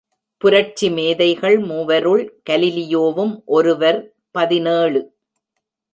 புரட்சி மேதைகள் மூவருள் கலீலியோவும் ஒருவர் பதினேழு .